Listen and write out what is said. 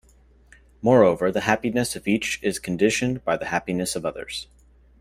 Moreover, the happiness of each is conditioned by the happiness of others.